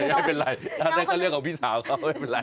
ไม่เป็นไรถ้าได้เข้าเรียกของพี่สาวเขาไม่เป็นไร